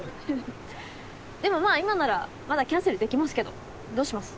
でもまあ今ならまだキャンセルできますけどどうします？